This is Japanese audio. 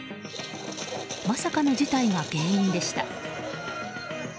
まさかの事態が原因でした。